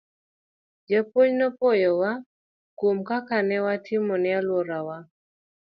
Japuonj nopwoyowa kuom kaka ne watimo ne alworawa.